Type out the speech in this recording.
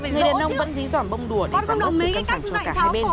người đàn ông vẫn dí dỏn bông đùa để giảm gất sự căng thẳng cho cả hai bên